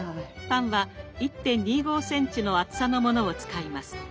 パンは１．２５ｃｍの厚さのものを使います。